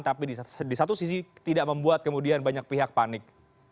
tapi di satu sisi tidak membuat kemudian banyak pihak panik